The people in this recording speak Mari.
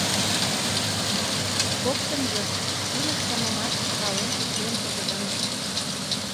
Коктынжо илыш тамымат пален шуктен огыдалыс.